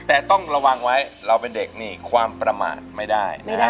แต่ต้องระวังไว้เราเป็นเด็กนี่ความประมาทไม่ได้นะครับ